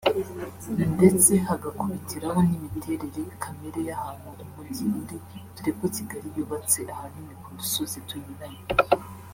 ndetse hagakubitiraho n’imiterere-kamere y’ahantu umujyi uri dore ko Kigali yubatse ahanini ku dusozi tunyuranye